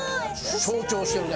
象徴してるね。